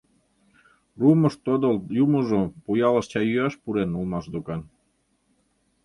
Руымышт тодылт юмыжо Пуялыш чай йӱаш пурен улмаш докан.